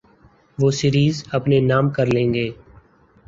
وہ سیریز اپنے نام کر لیں گے۔